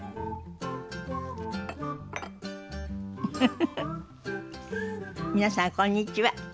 フフフフ皆さんこんにちは。